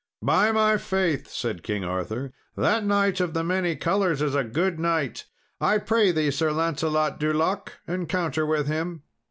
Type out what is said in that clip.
"By my faith," said King Arthur, "that knight of the many colours is a good knight. I pray thee, Sir Lancelot du Lake, encounter with him."